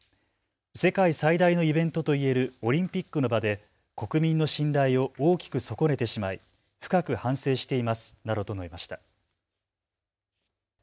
世界最大のイベントと言えるオリンピックの場で国民の信頼を大きく損ねてしまい深く反省していますなどと述べました。